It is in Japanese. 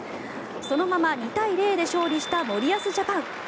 そのまま２対０で勝利した森保ジャパン。